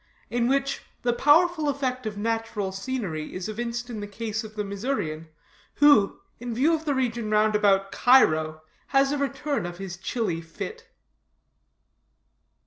IN WHICH THE POWERFUL EFFECT OF NATURAL SCENERY IS EVINCED IN THE CASE OF THE MISSOURIAN, WHO, IN VIEW OF THE REGION ROUND ABOUT CAIRO, HAS A RETURN OF HIS CHILLY FIT.